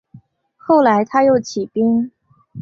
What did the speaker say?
后来他又起兵。